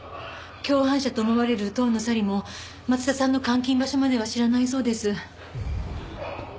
共犯者と思われる遠野紗里も松田さんの監禁場所までは知らないそうです。